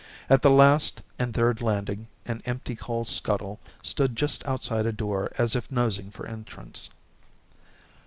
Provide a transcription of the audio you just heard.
At the last and third landing an empty coal scuttle stood just outside a door as if nosing for entrance.